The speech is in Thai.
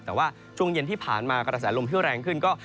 แต่ว่าช่วงเย็นที่ผ่านมากระแสลมที่แรงขึ้นก็